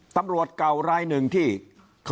ตำรวจก่อร้ายหนึ่งที่คือ